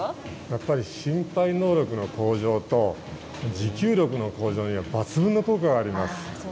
やっぱり心肺能力の向上と持久力の向上には抜群の効果があります。